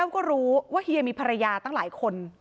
ก็รู้ว่าเฮียมีภรรยาตั้งหลายคน